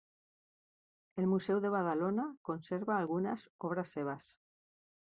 El Museu de Badalona conserva algunes obres seves.